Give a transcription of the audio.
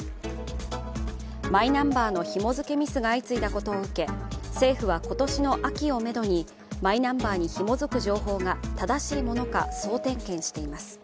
マイナンバーのひも付けミスが相次いだことを受け、政府は今年の秋をめどにマイナンバーにひも付く情報が正しいものか総点検しています。